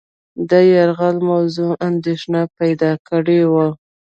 د یرغل موضوع اندېښنه پیدا کړې وه.